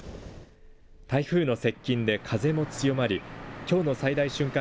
台風の接近で風も強まりきょうの最大瞬間